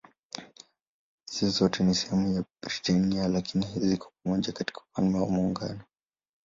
Hizi zote si sehemu ya Britania lakini ziko pamoja katika Ufalme wa Muungano.